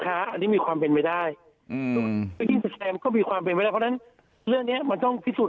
ค้าอันนี้มีความเป็นไม่ได้เพราะฉะนั้นเรื่องนี้มันต้องพิสูจน์